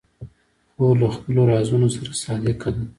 خور له خپلو رازونو سره صادقه ده.